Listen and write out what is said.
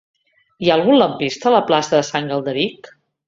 Hi ha algun lampista a la plaça de Sant Galderic?